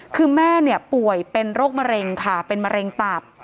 คือแม่ป่วยเป็นโรคมะเร็งค่ะเป็นมะเร็งตับ